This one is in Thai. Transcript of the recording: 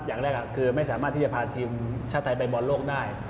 อย่างแรกคือไม่สามารถที่จะพาทีมชาติไทยไปบอลโลกได้